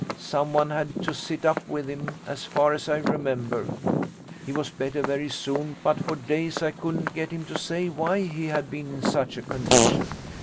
Someone had to sit up with him, as far as I remember. He was better very soon, but for days I couldn't get him to say why he had been in such a condition.